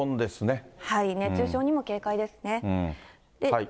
熱中症にも警戒ですね。